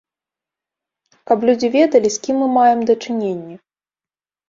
Каб людзі ведалі з кім мы маем дачыненні.